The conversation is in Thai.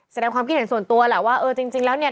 แสดงความคิดเห็นส่วนตัวแหละว่าเออจริงแล้วเนี่ย